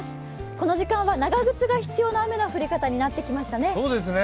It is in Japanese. この時間は長靴が必要な雨の降り方になってきましたね。